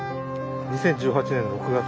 ２０１８年６月。